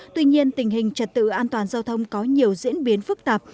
tuy nhiên tình hình trật tự an toàn giao thông có nhiều diễn biến phức tạp